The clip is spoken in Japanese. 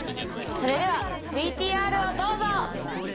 それではＶＴＲをどうぞ！